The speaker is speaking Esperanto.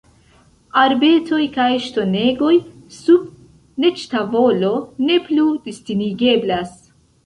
Arbetoj kaj ŝtonegoj, sub neĝtavolo, ne plu distingeblas.